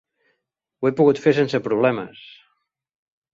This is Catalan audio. Ho he pogut fer sense problemes!